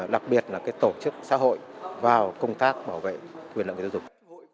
đặc biệt là tổ chức xã hội vào công tác bảo vệ quyền lợi người tiêu dùng